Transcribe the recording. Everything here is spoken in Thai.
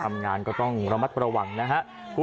ทำงานก็ต้องระมัดระวังนะครับ